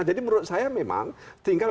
jadi menurut saya memang tinggal